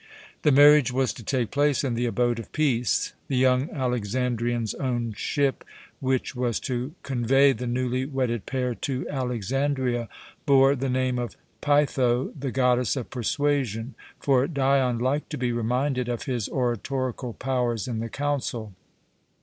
The marriage was to take place in the "abode of peace." The young Alexandrian's own ship, which was to convey the newly wedded pair to Alexandria, bore the name of Peitho, the goddess of persuasion, for Dion liked to be reminded of his oratorical powers in the council.